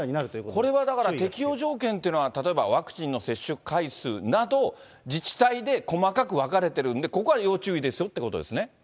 これはだから、適用条件というのは、例えば、ワクチンの接種回数など、自治体で細かく分かれてるんで、ここは要注意ですよということですね。